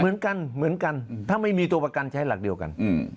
เหมือนกันเหมือนกันถ้าไม่มีตัวประกันใช้หลักเดียวกัน